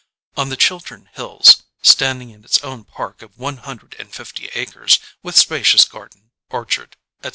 (On the Chiltern Hills, stand ing in its own park of one hundred and fifty acres, with spacious garden, orchard, etc.